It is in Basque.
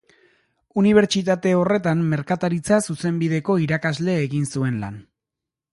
Unibertsitate horretan Merkataritza Zuzenbideko irakasle egin zuen lan.